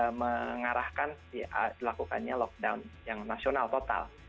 yang mengarahkan lakukannya lockdown yang nasional total